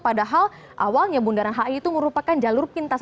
padahal awalnya bundaran hi itu merupakan jalur pintas